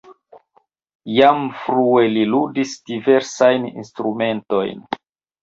Jam frue li ludis diversajn instrumentojn.